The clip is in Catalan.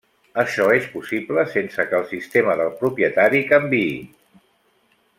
Això és possible sense que el sistema del propietari canviï.